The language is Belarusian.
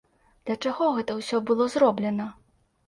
Для чаго гэта ўсё было зроблена?